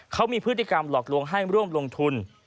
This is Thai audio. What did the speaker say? เขามีพฤติกรรมหลอกลวงให้ร่วมลงทุน